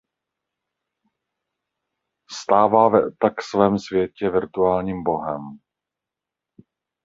Stává ve tak svém světě virtuálním bohem.